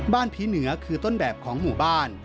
บ้านพิเนื้อคือต้นแบบของหมู่บ้าน